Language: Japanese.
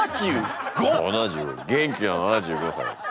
元気な７５歳。